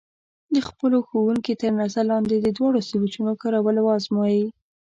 د خپلو ښوونکي تر نظر لاندې د دواړو سویچونو کارول وازموئ.